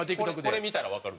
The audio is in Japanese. これ見たらわかる。